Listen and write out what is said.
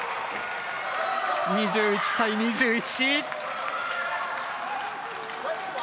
２１対２１。